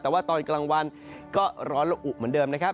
แต่ว่าตอนกลางวันก็ร้อนละอุเหมือนเดิมนะครับ